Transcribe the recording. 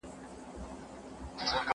هغه نجلۍ چې ژاړي، هاغه د حوا په ښايست